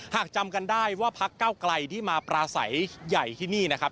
หากจำกันได้ว่าพักเก้าไกลที่มาปราศัยใหญ่ที่นี่นะครับ